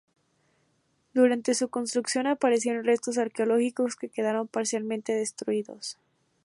Durante su construcción, aparecieron restos arqueológicos que quedaron parcialmente destruidos.